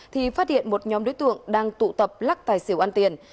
thì phát hiện một nhóm đối tượng đang tụ tập lắc tài xỉu ăn tiền